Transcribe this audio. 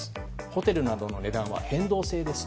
ホテルなどの値段は変動制です。